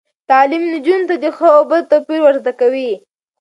تعلیم نجونو ته د ښه او بد توپیر ور زده کوي.